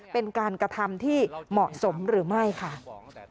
เป็นการกระทำที่เหมาะสมหรือไม่ค่ะ